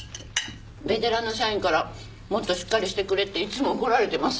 ベテランの社員からもっとしっかりしてくれっていつも怒られてます。